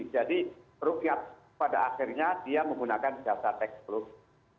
jadi rupiat pada akhirnya dia menggunakan jasa teknologi